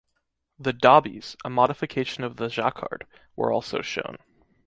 The ‘dobbies’—a modification of the Jacquard—were also shown.